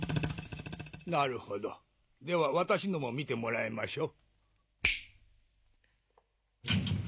なるほどでは私のも見てもらいましょう。